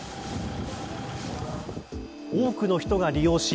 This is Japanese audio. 多くの人が利用し